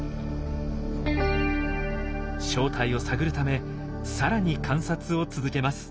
正体を探るためさらに観察を続けます。